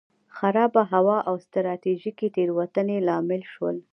خرابه هوا او ستراتیژیکې تېروتنې لامل شول.